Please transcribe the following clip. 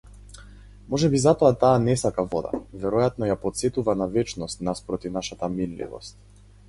Можеби затоа таа не сака вода, веројатно ја потсетува на вечност наспроти нашата минливост.